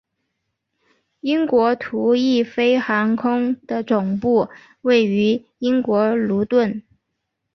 英国途易飞航空的总部位于英国卢顿。